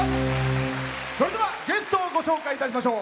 ゲストをご紹介いたしましょう。